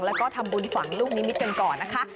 แล้วก็ทำบุญฝังลูกนิมิตกันก่อนนะคะ